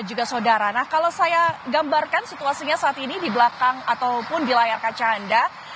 melaporkan situasinya saat ini di belakang ataupun di layar kaca anda